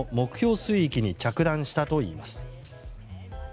水域に着弾したといいます。